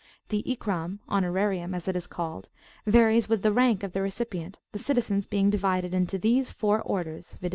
The Ikram (honorarium), as it is called, varies with the rank of the recipient, the citizens being divided into these four orders, viz.